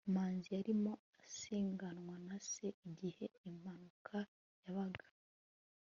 manzi yarimo asiganwa na se igihe impanuka yabaga